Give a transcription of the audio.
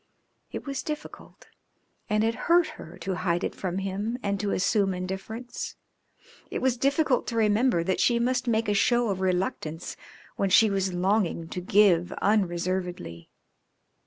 It was difficult, and it hurt her to hide it from him and to assume indifference. It was difficult to remember that she must make a show of reluctance when she was longing to give unreservedly.